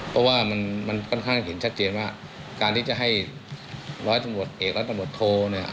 เพราะว่ามันค่อนข้างเห็นชัดเจนว่าการที่จะให้ร้อยตำรวจเอกร้อยตำรวจโทเนี่ย